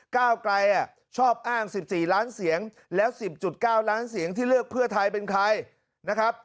ก้าวไกลชอบอ้าง๑๔ล้านเสียงแล้ว๑๐๙ล้านเสียงที่เลือกเพื่อไทยเป็นใครนะครับ